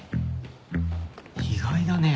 意外だね。